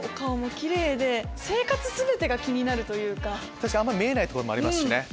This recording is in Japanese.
確かにあんま見えないとこでもありますしね。